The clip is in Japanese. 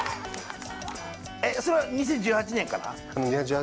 それは２０１８年から？